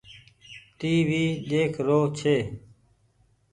ٽي وي ۮيک رو ڇي۔